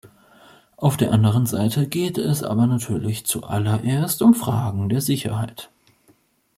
Auf der anderen Seite geht es aber natürlich zuallererst um Fragen der Sicherheit.